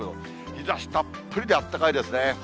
日ざしたっぷりであったかいですね。